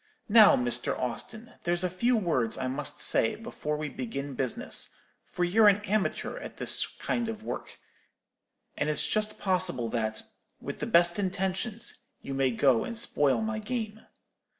Now, Mr. Austin, there's a few words I must say before we begin business; for you're an amateur at this kind of work, and it's just possible that, with the best intentions, you may go and spoil my game.